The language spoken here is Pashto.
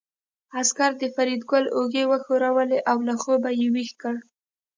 عسکر د فریدګل اوږې وښورولې او له خوبه یې ويښ کړ